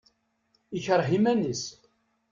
Ikreh iman-is.